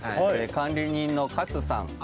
管理人の勝さん。